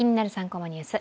３コマニュース」